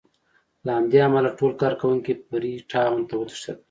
له همدې امله ټول کارکوونکي فري ټاون ته وتښتېدل.